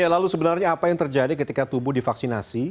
lalu sebenarnya apa yang terjadi ketika tubuh divaksinasi